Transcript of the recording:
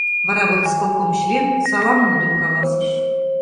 Вара волисполком член салам мутым каласыш.